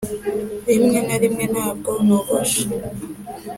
rimwe na rimwe ntabwo nogosha